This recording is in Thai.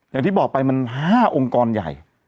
อย่างที่บอกไปมัน๕องค์กรใหญ่